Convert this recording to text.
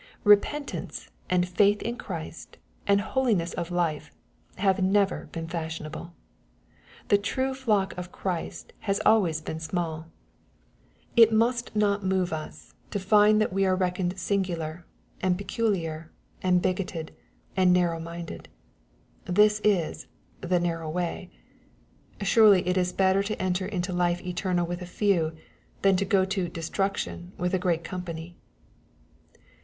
Bepentance, and faith in Christ, and holiness of life, have never been fashionable. The true flock pf Christ has alwavs been smaU. It must not move us to find that f 68 EXPOSITOBT THOUGHTS. we are reckoned sinyular, and pecnliar, and bigotted, and narrow minded. This is ^* the narrow way/' Surely it is better to enter into life eternal with a few, than to go to " destruction" with a great company.